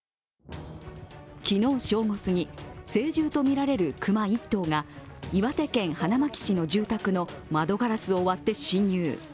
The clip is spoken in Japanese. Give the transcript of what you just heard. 昨日正午すぎ、成獣とみられる熊１頭が岩手県花巻市の住宅の窓ガラスを割って侵入。